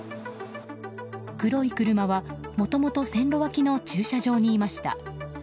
黒い車は、もともと線路脇の駐車場にいました。